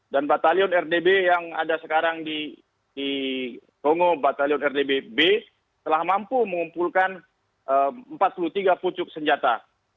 dan batalion rdb yang ada sekarang di kongo batalion rdbb telah mampu mengumpulkan empat puluh tiga pucuk senjata